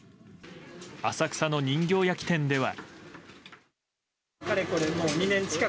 浅草の人形焼き店では。